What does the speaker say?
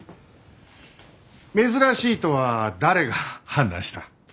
珍しいとは誰が判断した？